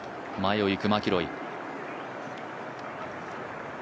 前を行くマキロイ。